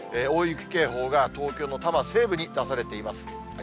大雪警報が、東京の多摩西部に出されています。